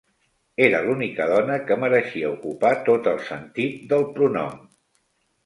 Era l'única dona que mereixia ocupar tot el sentit del pronom.